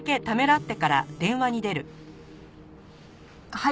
はい。